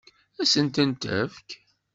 Ad sen-tent-tefk?